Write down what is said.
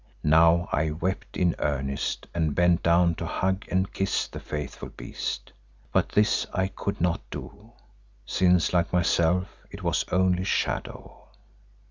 Now I wept in earnest and bent down to hug and kiss the faithful beast, but this I could not do, since like myself it was only shadow.